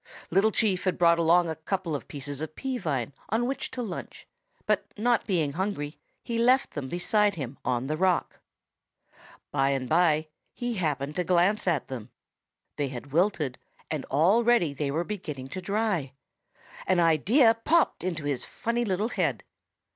Little Chief had brought along a couple of pieces of pea vine on which to lunch, but not being hungry he left them beside him on the rock. By and by he happened to glance at them. They had wilted and already they were beginning to dry. An idea popped into his funny little head.